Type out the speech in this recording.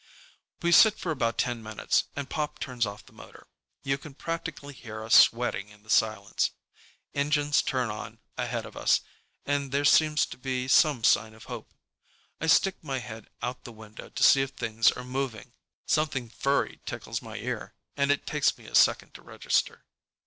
We sit for about ten minutes, and Pop turns off the motor. You can practically hear us sweating in the silence. Engines turn on ahead of us, and there seems to be some sign of hope. I stick my head out the window to see if things are moving. Something furry tickles my ear, and it takes me a second to register.